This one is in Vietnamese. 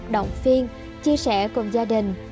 động phiên chia sẻ cùng gia đình